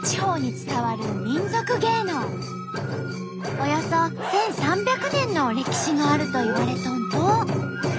およそ１，３００年の歴史があるといわれとんと。